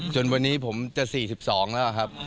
จนวันนี้ผมจะ๔๒แล้วครับ